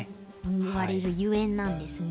いわれるゆえんなんですね。